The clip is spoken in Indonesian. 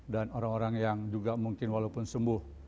dan orang orang yang juga mungkin walaupun sembuh